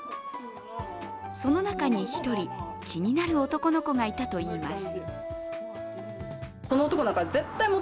その中に１人、気になる男の子がいたといいます。